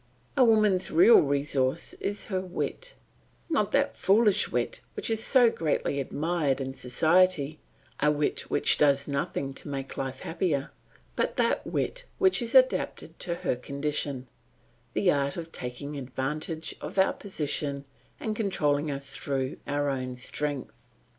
A woman's real resource is her wit; not that foolish wit which is so greatly admired in society, a wit which does nothing to make life happier; but that wit which is adapted to her condition, the art of taking advantage of our position and controlling us through our own strength.